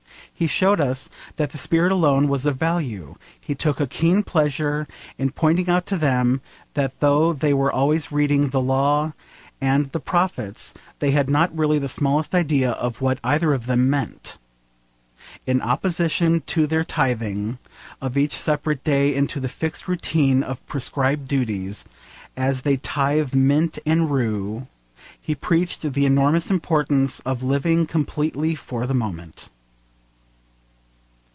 He showed that the spirit alone was of value. He took a keen pleasure in pointing out to them that though they were always reading the law and the prophets, they had not really the smallest idea of what either of them meant. In opposition to their tithing of each separate day into the fixed routine of prescribed duties, as they tithe mint and rue, he preached the enormous importance of living completely for the moment.